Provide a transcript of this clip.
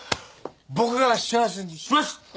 僕が幸せにします！